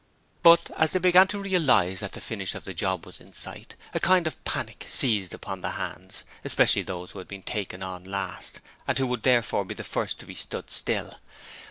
But, as they began to realize that the finish of the job was in sight, a kind of panic seized upon the hands, especially those who had been taken on last and who would therefore be the first to be 'stood still'.